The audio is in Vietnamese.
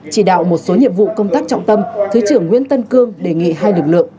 chỉ đạo một số nhiệm vụ công tác trọng tâm thứ trưởng nguyễn tân cương đề nghị hai lực lượng